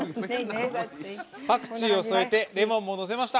パクチーを添えてレモンものせました。